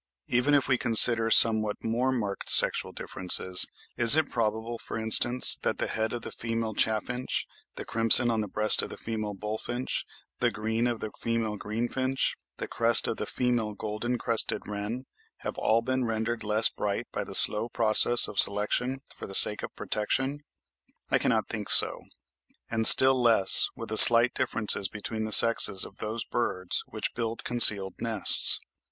Even if we consider somewhat more marked sexual differences, is it probable, for instance, that the head of the female chaffinch,—the crimson on the breast of the female bullfinch,—the green of the female greenfinch,—the crest of the female golden crested wren, have all been rendered less bright by the slow process of selection for the sake of protection? I cannot think so; and still less with the slight differences between the sexes of those birds which build concealed nests.